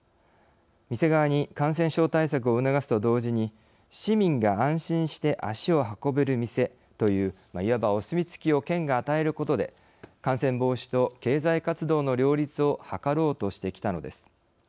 店側に感染症対策を促すと同時に市民が安心して足を運べる店という、いわばお墨付きを県が与えることで感染防止と経済活動の両立を図ろうとしてきたのです。